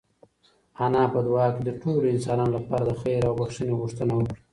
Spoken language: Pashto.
انا په دعا کې د ټولو انسانانو لپاره د خیر او بښنې غوښتنه وکړه.